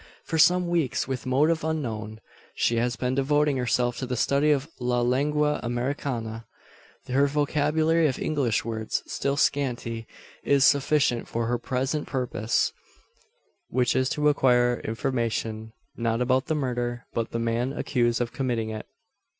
For some weeks, with motive unknown, she has been devoting herself to the study of La lengua Americana. Her vocabulary of English words, still scanty, is sufficient for her present purpose; which is to acquire information, not about the murder, but the man accused of committing it.